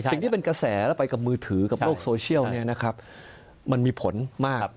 สิ่งที่เป็นกระแสแล้วไปกับมือถือกับโรคโซเชียลมันมีผลมาก